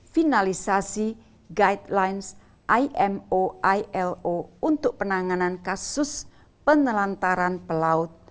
finalisasi guidelines imo ilo untuk penanganan kasus penelantaran pelaut